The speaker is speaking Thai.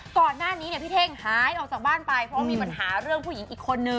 ก่อนหน้านี้เนี่ยพี่เท่งหายออกจากบ้านไปเพราะว่ามีปัญหาเรื่องผู้หญิงอีกคนนึง